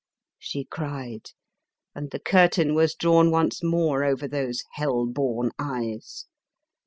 she cried, and the cur tain was drawn once more over those hell born eyes.